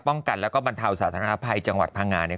ป้องกันและบรรเทาสาธารณภัยจังหวัดพังงานเนี่ย